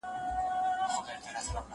هغه وويل چي موبایل کارول مهم دي!.